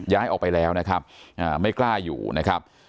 ย้ายออกไปแล้วนะครับไม่กล้าอยู่นะครับ